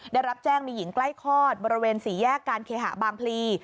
ได้รับแจ้งมีหญิงใกล้คลอดบริเวณสี่แยกการเคหะบางพลี